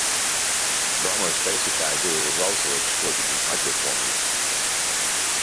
Bramah's basic idea is also exploited in hydroforming.